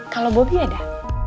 kalau bobby ada